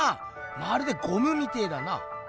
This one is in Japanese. まるでゴムみてぇだな。